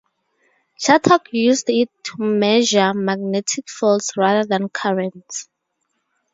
Chattock used it to measure magnetic fields rather than currents.